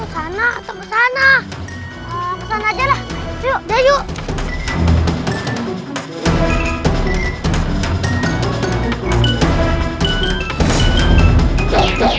sana atau kesana kesana aja yuk yuk